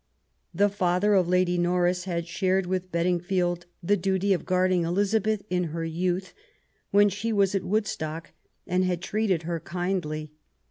The father of Lady Norris had shared with Bedingfield the duty of guarding Elizabeth in her youth when she was at Woodstock, and had treated her kindly.